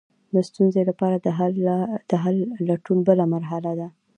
د ستونزې لپاره د حل لټول بله مرحله ده.